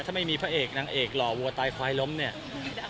ถ้าไม่มีพระเอกนางเอกหล่อวัวตายควายล้มเนี่ย